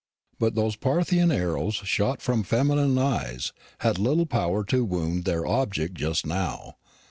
But those Parthian arrows shot from feminine eyes had little power to wound their object just now.